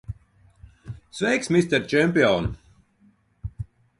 Sveiks, mister čempion!